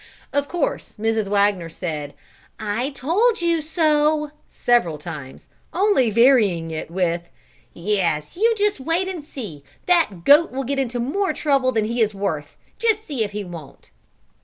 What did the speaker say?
Of course Mrs. Wagner said, "I told you so," several times, only varying it with, "Yes, you just wait and see, that goat will get into more trouble than he is worth, just see if he won't."